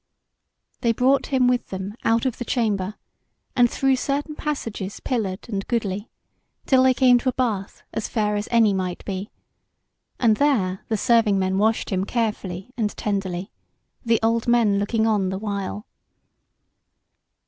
They brought him with them out of the chamber, and through certain passages pillared and goodly, till they came to a bath as fair as any might be; and there the serving men washed him carefully and tenderly, the old men looking on the while.